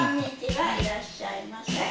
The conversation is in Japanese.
いらっしゃいませ。